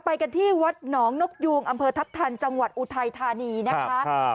ไปกันที่วัดหนองนกยูงอำเภอทัพทันจังหวัดอุทัยธานีนะคะ